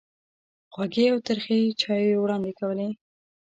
خوږې او ترخې چایوې وړاندې کولې.